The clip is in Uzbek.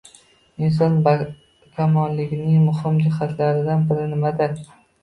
Inson barkamolligining muhim jihatlaridan biri nimada?